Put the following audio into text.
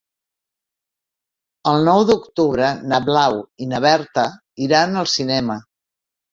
El nou d'octubre na Blau i na Berta iran al cinema.